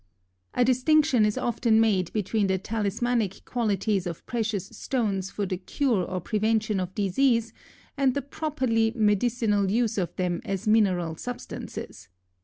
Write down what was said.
] A distinction is often made between the talismanic qualities of precious stones for the cure or prevention of disease and the properly medicinal use of them as mineral substances.